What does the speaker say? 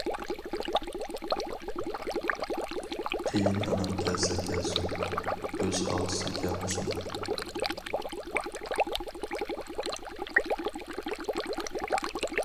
قېيىن ئانام كەلسە كەلسۇن، بۆز خالتىسى كەلمىسۇن.